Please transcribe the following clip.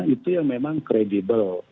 itu yang memang kredibel